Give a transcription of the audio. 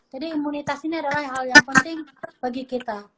jadi imunitas ini adalah hal yang penting bagi kita